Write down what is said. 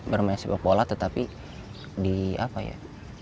bermain sepak bola tetapi di apa ya